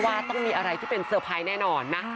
ว่าต้องมีอะไรที่เป็นเซอร์ไพรส์แน่นอนนะ